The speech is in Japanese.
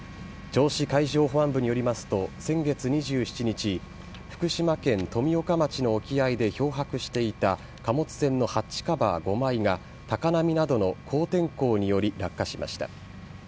銚子海上保安庁によりますと先月２７日福島県富岡町の沖合で漂泊していた貨物船のハッチカバー５枚が高波などの荒天候により落下しました。